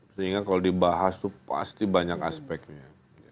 sehingga kalau dibahas itu pasti banyak aspeknya